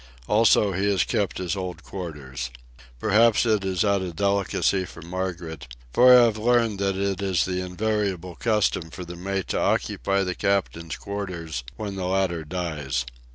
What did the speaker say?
Also, he has kept his old quarters. Perhaps it is out of delicacy for Margaret; for I have learned that it is the invariable custom for the mate to occupy the captain's quarters when the latter dies.